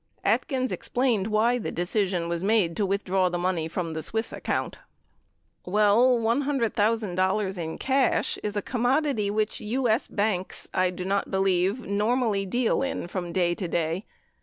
34 Atkins explained why the decision was made to withdraw the money from the Swiss account : Well, $100,000 in cash is a commodity which U.S. banks, I do not believe, normally deal in from day to day.